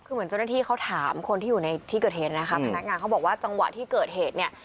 คือเหมือนเจ้าหน้าที่เขาถามคนที่อยู่ในที่เกิดเหตุนะคะพนักงานเขาบอกว่าจังหวะที่เกิดเหตุเนี่ย